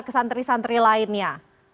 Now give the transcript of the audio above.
ke santri santri lainnya